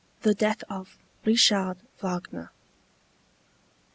THE DEATH OF RICHARD WAGNER.